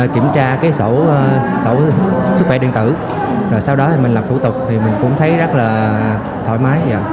kiểm tra cái sổ sức khỏe điện tử rồi sau đó thì mình làm thủ tục thì mình cũng thấy rất là thoải mái